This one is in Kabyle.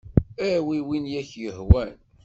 Awi win ay ak-yehwan.